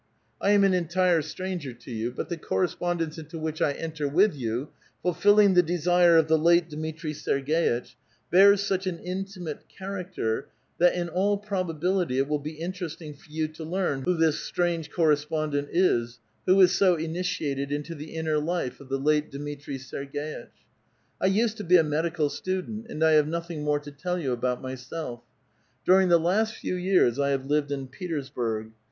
I am an eutire stranger to yon ; but the corresxKmdence into which I enter with you, fulfilling the desire of the lato Dmitri Serg^itch, bears such an intimate character tliat, in all probability, it will be interesting for you to learn who this strange correspondent is, who is so initiated into the inner life of the late Dmitri Serg^itch. I used to be a medical student, and I have nothing more to tell you about myself; During: the last few years 1 have lived in Petersburo